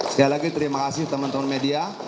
sekali lagi terima kasih teman teman media